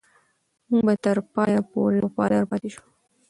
موږ به تر پایه پورې وفادار پاتې شو.